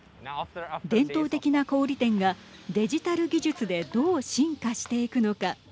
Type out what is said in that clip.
伝統的な小売店がデジタル技術でどう進化していくのか。